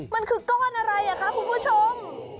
มันคือก้อนอะไรคะคุณผู้ชม